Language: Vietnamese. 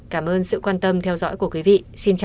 cảm ơn sự quan tâm theo dõi của quý vị xin chào và hẹn gặp lại